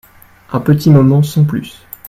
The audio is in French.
Un petit moment sans plus.